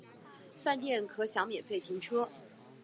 饭店可享免费停车